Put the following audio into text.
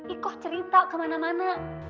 ikoh cerita kemana mana